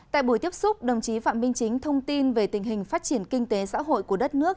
tại buổi tiếp xúc đồng chí phạm minh chính thông tin về tình hình phát triển kinh tế xã hội của đất nước